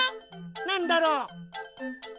なんだろう？